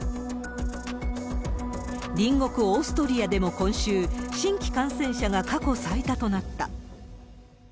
隣国、オーストリアでも今週、新規感染者が過去最多となった。